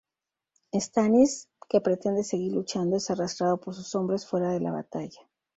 Stannis, que pretende seguir luchando, es arrastrado por sus hombres fuera de la batalla.